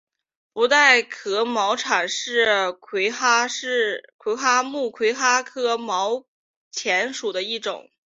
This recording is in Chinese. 不等壳毛蚶是魁蛤目魁蛤科毛蚶属的一种。